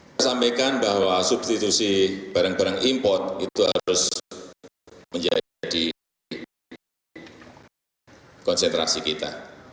saya sampaikan bahwa substitusi barang barang import itu harus menjadi konsentrasi kita